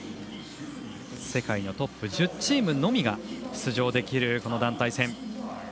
世界のトップ１０チームのみが出場できる団体戦。